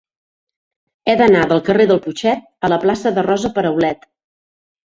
He d'anar del carrer del Putxet a la plaça de Rosa Peraulet.